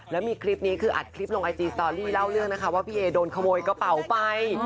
แล้วมีคลิปนี้คืออัดคลิปลงไอจีสตอรี่เล่าเรื่องนะคะว่าพี่เอโดนขโมยกระเป๋าไป